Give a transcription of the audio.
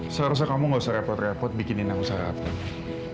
seharusnya kamu gak usah repot repot bikinin aku sarapan